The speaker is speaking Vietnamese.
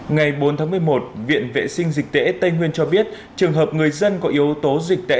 ngày bốn tháng một mươi một viện vệ sinh dịch tễ tây nguyên cho biết trường hợp người dân có yếu tố dịch tễ